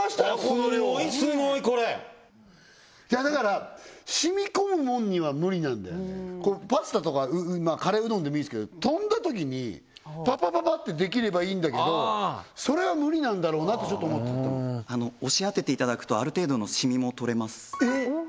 この量すごいすごいこれだからしみこむもんには無理なんだよねこれパスタとかカレーうどんでもいいすけど飛んだときにパパパパッてできればいいんだけどそれは無理なんだろうなってちょっと思ったんだけど押し当てていただくとある程度のシミも取れますえっ